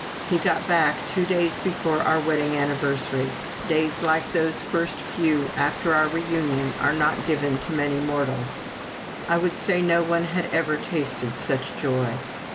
He got back two days before our wedding anniversary days like those first few after our reunion are not given to many mortals. I would say no one had ever tasted such joy.